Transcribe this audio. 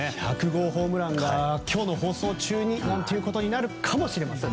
１００号ホームランが今日の放送中にということになるかもしれません。